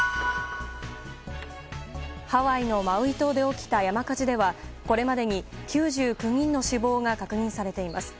ハワイのマウイ島で起きた山火事ではこれまでに９９人の死亡が確認されています。